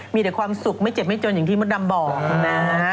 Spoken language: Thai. มีแต่ความสุขไม่เจ็บไม่จนอย่างที่มดดำบอกนะ